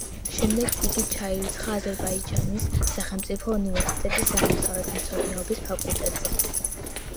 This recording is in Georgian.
შემდეგ იგი ჩაირიცხა აზერბაიჯანის სახელმწიფო უნივერსიტეტის აღმოსავლეთმცოდნეობის ფაკულტეტზე.